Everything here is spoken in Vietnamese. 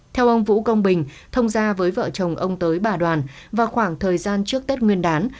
theo ông vũ công bình thông ra với vợ chồng ông tới bà đoàn vào khoảng thời gian trước tết nguyên đán